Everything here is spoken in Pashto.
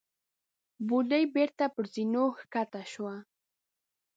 بوډۍ بېرته پر زينو کښته شوه.